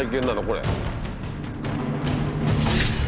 これ。